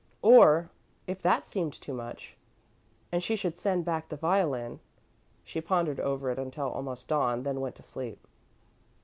Or, if that seemed too much, and she should send back the violin she pondered over it until almost dawn, then went to sleep.